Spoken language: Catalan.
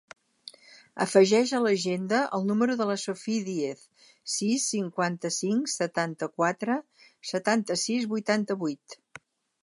Afegeix a l'agenda el número de la Sophie Diez: sis, cinquanta-cinc, setanta-quatre, setanta-sis, vuitanta-vuit.